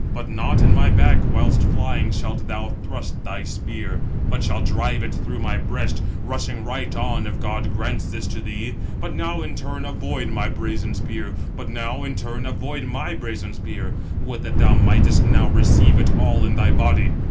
But not in my back, whilst flying, shalt thou thrust thy spear, but shalt drive it through my breast, rushing right on, if God grants this to thee. But now in turn avoid my brazen spear! would that thou mightst now receive it all in thy body.